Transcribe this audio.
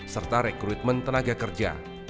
serta rekrutmen tenaga kerja